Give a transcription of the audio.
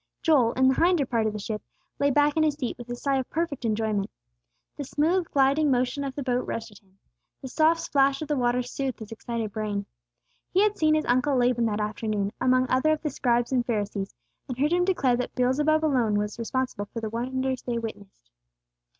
Joel, in the hinder part of the ship, lay back in his seat with a sigh of perfect enjoyment. The smooth gliding motion of the boat rested him; the soft splash of the water soothed his excited brain. He had seen his Uncle Laban that afternoon among other of the scribes and Pharisees, and heard him declare that Beelzebub alone was responsible for the wonders they witnessed.